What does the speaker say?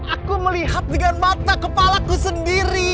aku melihat dengan mata kepala ku sendiri